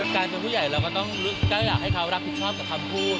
การเป็นผู้ใหญ่เราก็ต้องอยากให้เขารับผิดชอบกับคำพูด